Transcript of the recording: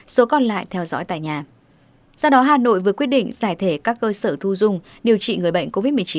sau đó hà nội vừa quyết định giải thể các cơ sở thu dung điều trị người bệnh covid một mươi chín